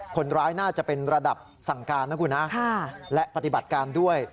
คนร้ายน่าจะเป็นระดับสั่งการนะคุณนะและปฏิบัติการด้วย